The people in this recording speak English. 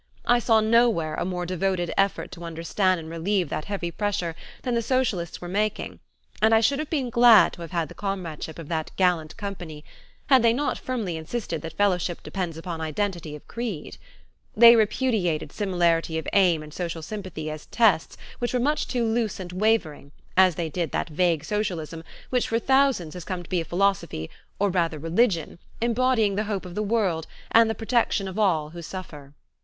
I saw nowhere a more devoted effort to understand and relieve that heavy pressure than the socialists were making, and I should have been glad to have had the comradeship of that gallant company had they not firmly insisted that fellowship depends upon identity of creed. They repudiated similarity of aim and social sympathy as tests which were much too loose and wavering as they did that vague socialism which for thousands has come to be a philosophy or rather religion embodying the hope of the world and the protection of all who suffer.